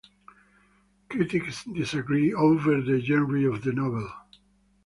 Critics disagree over the genre of the novel.